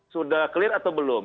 sudah clear atau belum